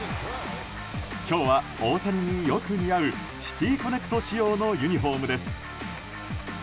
今日は大谷によく似合うシティ・コネクト仕様のユニホームです。